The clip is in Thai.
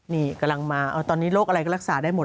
นี่กำลังมาตอนนี้โรคอะไรก็รักษาได้หมด